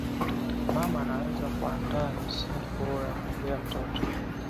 mama anaweza kuandaa misingi bora ya kumlea mtoto